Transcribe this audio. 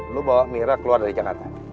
lu bawa mira keluar dari jakarta